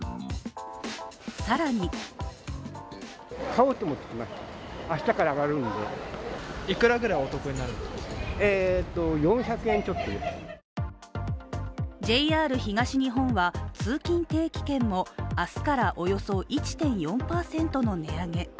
更にＪＲ東日本は、通勤定期券も明日からおよそ１．４％の値上げ。